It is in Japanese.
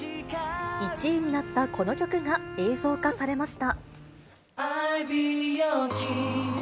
１位になったこの曲が映像化されました。